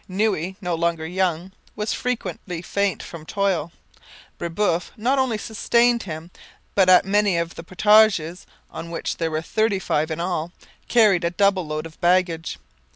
Noue, no longer young, was frequently faint from toil. Brebeuf not only sustained him, but at many of the portages, of which there were thirty five in all, carried a double load of baggage.